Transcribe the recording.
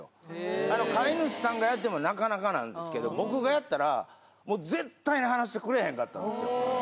あの飼い主さんがやってもなかなかなんですけど僕がやったら絶対に離してくれへんかったんですよ。